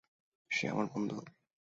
সে আমার বন্ধু।